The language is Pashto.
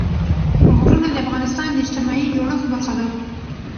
غرونه د افغانستان د اجتماعي جوړښت برخه ده.